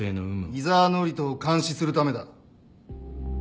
井沢範人を監視するためだ。